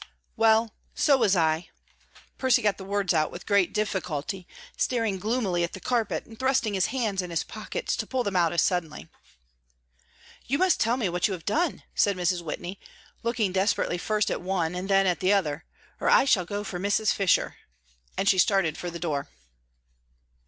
"Well, so was I," Percy got the words out with great difficulty, staring gloomily at the carpet, and thrusting his hands in his pockets to pull them out as suddenly. "You must just tell me what you have done," said Mrs. Whitney, looking desperately first at one and then at the other, "or I shall go for Mrs. Fisher," and she started for the door.